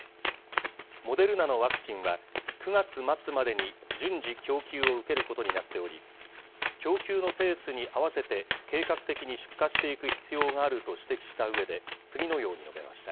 モデルナのワクチンは９月末までに順次、供給を受けることになっており、供給のペースに合わせて、計画的に出荷していく必要があると指摘したうえで、次のように述べました。